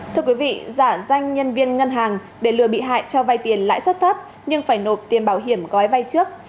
thưa quý vị giả danh nhân viên ngân hàng để lừa bị hại cho vay tiền lãi suất thấp nhưng phải nộp tiền bảo hiểm gói vay trước